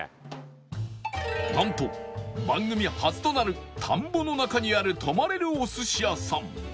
なんと番組初となる田んぼの中にある泊まれるお寿司屋さん